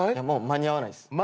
もう間に合わないっす。